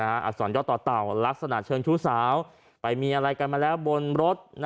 อักษรย่อต่อเต่าลักษณะเชิงชู้สาวไปมีอะไรกันมาแล้วบนรถ